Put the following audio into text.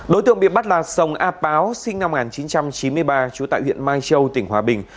đối tượng bị bắt là sông a páo sinh năm một nghìn chín trăm chín mươi ba trú tại huyện mai châu tỉnh hòa bình